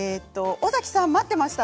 尾崎さん待っていました。